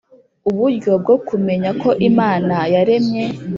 Uburyo bwo kumenya ko Imana yaremye